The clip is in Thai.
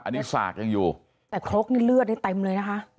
อันนี้สากยังอยู่แต่ครกนี่เลือดได้เต็มเลยนะคะ